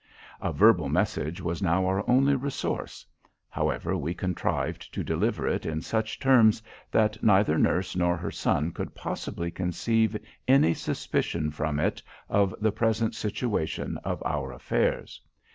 A verbal message was now our only resource; however, we contrived to deliver it in such terms, that neither nurse nor her son could possibly conceive any suspicion from it of the present situation of our affairs.